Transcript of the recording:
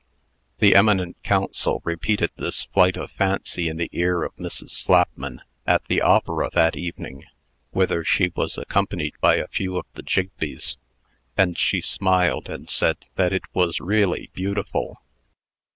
The eminent counsel repeated this flight of fancy in the ear of Mrs. Slapman, at the opera that evening, whither she was accompanied by a few of the Jigbees, and she smiled, and said that it was really beautiful.